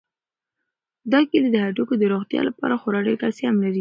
دا کیله د هډوکو د روغتیا لپاره خورا ډېر کلسیم لري.